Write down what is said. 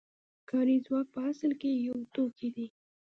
کاري ځواک په اصل کې یو توکی دی